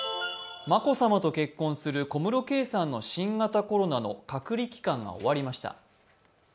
眞子さまと結婚する小室圭さんの新型コロナの隔離期間が終わりました。